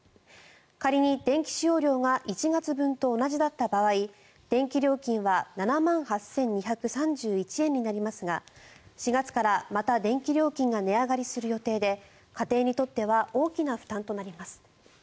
仮に電気使用量が１月分と同じだった場合電気料金は７万８２３１円になりますが４月からまた電気料金が値上がりする予定で家庭にとっては大きな負担となります。